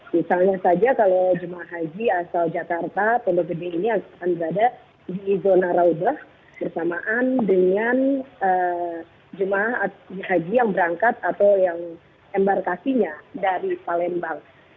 misalnya saja kalau jemaah haji asal jakarta pondok gede ini akan berada di zona raubah bersamaan dengan jemaah haji yang berangkat atau yang embarkasinya dari palembang